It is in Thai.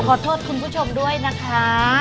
ขอโทษคุณผู้ชมด้วยนะคะ